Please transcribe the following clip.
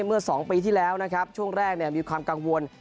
เมื่อ๒ปีที่แล้วนะครับช่วงแรกมีความกังวล